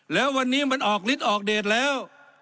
แล้ววันนี้มันออกฤทธิ์ออกเดทแล้ว